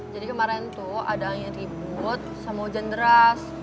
jadi kemarin tuh ada angin ribut sama hujan deras